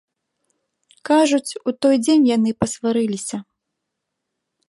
Кажуць, у той дзень яны пасварыліся.